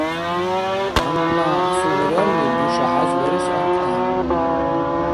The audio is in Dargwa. Гьанна асубиралли нуша хӀяз барес аркьехӀе.